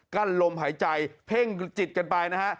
ลมหายใจเพ่งจิตกันไปนะฮะ